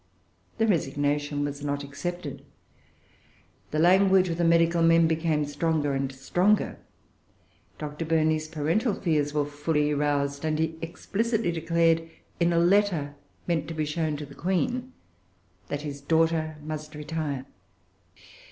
The resignation was not accepted. The language of the medical men became stronger and stronger. Dr. Burney's parental fears were fully roused; and he explicitly declared in a letter meant to be shown to the Queen that his daughter must retire.